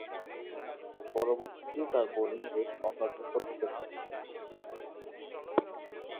পরবর্তীতে তার বোলিং বেশ অকার্যকর হতে থাকে।